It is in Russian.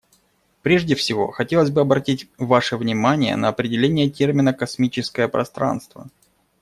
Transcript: Прежде всего хотелось бы обратить ваше внимание на определение термина "космическое пространство".